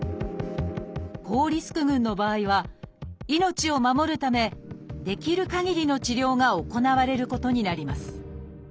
高リスク群の場合は命を守るためできるかぎりの治療が行われることになります。